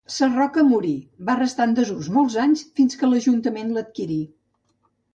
Sarroca morí, va restar en desús molts anys, fins que l'ajuntament l'adquirí.